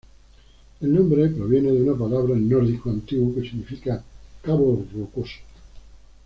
El nombre proviene de una palabra en nórdico antiguo que significa "cabo rocoso".